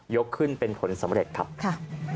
ยกขึ้นเป็นผลสำเร็จครับค่ะ